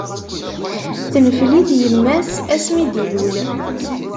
Tenfel-it yimma-s, asmi d-illul.